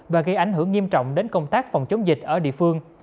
và gây ảnh hưởng nghiêm trọng đến công tác phòng chống dịch ở địa phương